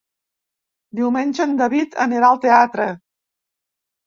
Diumenge en David anirà al teatre.